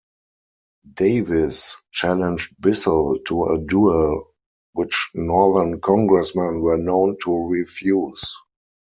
Davis challenged Bissell to a duel, which Northern Congressmen were known to refuse.